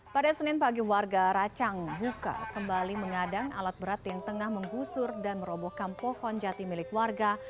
pada senin pagi warga racang buka kembali mengadang alat berat yang tengah menggusur dan merobohkan pohon jati milik warga